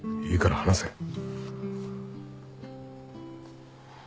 いいから話せ。